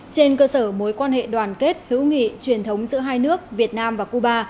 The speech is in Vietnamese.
trên cơ sở mối quan hệ đoàn kết hữu nghị truyền thống giữa hai nước việt nam và cuba